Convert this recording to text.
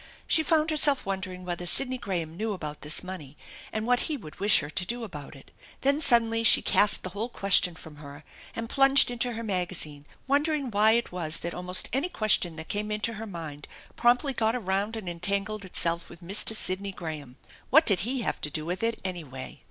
She found herself wondering whether Sidney Graham knew about this money and what he would wish her to do about it. Then suddenly she cast the whole question from her and plunged into her magazine, wondering why it was that almost any question that came into her mind promptly got around and entangled itself with Mr. Sidney Graham. What did he have to do with it, anyway?